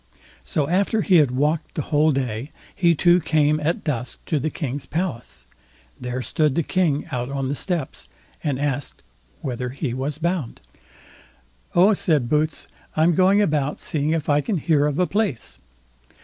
So after he had walked the whole day, he too came at dusk to the king's palace. There stood the King out on the steps, and asked whither he was bound. "Oh", said Boots, "I'm going about seeing if I can hear of a place."